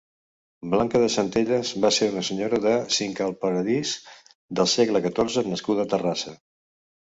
Blanca de Centelles va ser una senyora de cincallparadís del segle catorze nascuda a Terrassa.